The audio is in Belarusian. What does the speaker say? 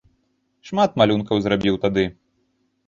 Шмат малюнкаў зрабіў тады.